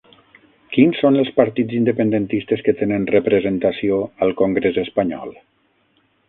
Quins són els partits independentistes que tenen representació al congrés espanyol?